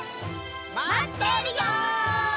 まってるよ！